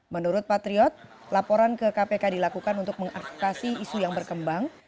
menurut patriot laporan ke kpk dilakukan untuk mengadvokasi isu yang berkembang